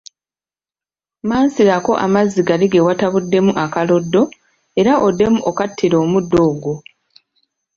Mansirako amazzi gali ge watabuddemu akaloddo era oddemu okkatire omuddo ogwo.